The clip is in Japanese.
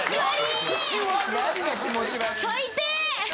最低。